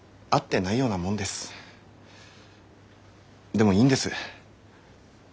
でもいいんです。